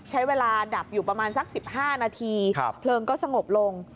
ใช้เวลาดับอยู่ประมาณสัก๑๕นาทีเพลิงก็สงบลง